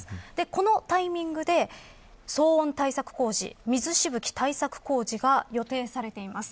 このタイミングで騒音対策工事水しぶき対策工事が予定されています。